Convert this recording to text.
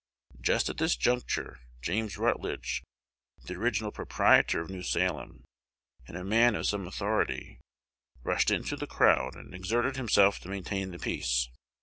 Just at this juncture James Rutledge, the original proprietor of New Salem, and a man of some authority, "rushed into the crowd," and exerted himself to maintain the peace.